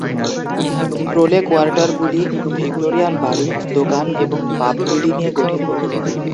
প্রোলে কোয়ার্টারগুলি ভিক্টোরিয়ান বাড়ি, দোকান এবং পাবগুলি নিয়ে গঠিত।